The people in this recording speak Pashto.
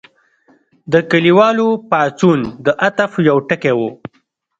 د کلیوالو پاڅون د عطف یو ټکی و.